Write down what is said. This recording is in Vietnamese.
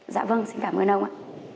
dạ vâng xin cảm ơn ông ạ